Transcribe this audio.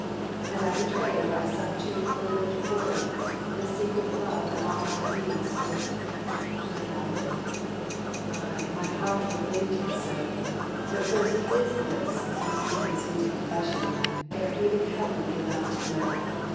Had I betrayed by some too fervent word The secret love that all my being stirred? My lover? Ay! My heart proclaimed him so; But first his lips must win the sweet confession, Ere even Helen be allowed to know.